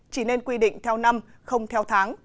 chỉ nên quy định theo năm không theo tháng